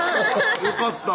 よかった